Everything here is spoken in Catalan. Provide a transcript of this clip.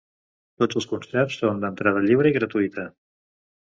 Tots els concerts són d'entrada lliure i gratuïta.